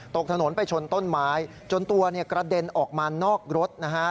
ตกถนนไปชนต้นไม้จนตัวเนี่ยกระเด็นออกมานอกรถนะฮะ